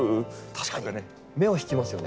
確かに目を引きますよね。